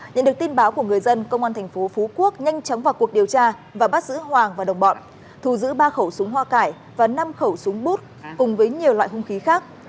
nhận được tin báo của người dân công an thành phố phú quốc nhanh chóng vào cuộc điều tra và bắt giữ hoàng và đồng bọn thu giữ ba khẩu súng hoa cải và năm khẩu súng bút cùng với nhiều loại hung khí khác